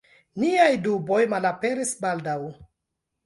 Niaj duboj malaperis baldaŭ.